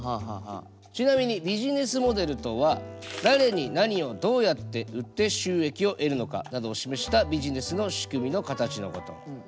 ちなみにビジネスモデルとは誰に何をどうやって売って収益を得るのかなどを示したビジネスの仕組みの形のこと。